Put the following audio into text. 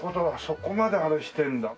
そこまであれしてるんだ。